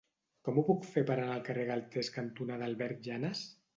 Com ho puc fer per anar al carrer Galtés cantonada Albert Llanas?